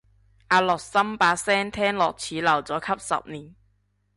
阿樂琛把聲聽落似留咗級十年